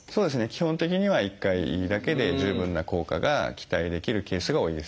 基本的には１回だけで十分な効果が期待できるケースが多いです。